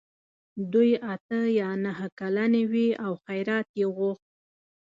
دوی اته یا نهه کلنې وې او خیرات یې غوښت.